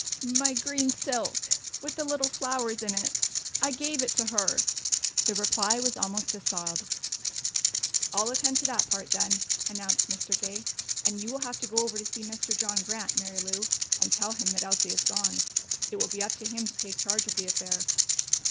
"My green silk with little flowers in it. I gave it to her." The reply was almost a sob. "I'll attend to that part, then," announced Mr. Gay. "And you will have to go over to see Mr. John Grant, Mary Lou, and tell him that Elsie has gone. It will be up to him to take charge of the affair."